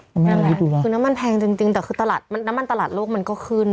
ดูดูล่ะช่วงน้ำมันแพงจริงแต่คือน้ำมันตลาดโลกมันก็ขึ้น